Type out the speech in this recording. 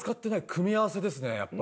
組み合わせですねやっぱ。